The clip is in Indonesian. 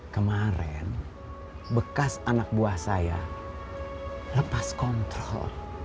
kemarin bekas anak buah saya lepas kontrol